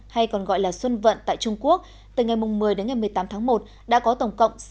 hay còn gọi là xuân vận tại trung quốc từ ngày một mươi đến ngày một mươi tám tháng một đã có tổng cộng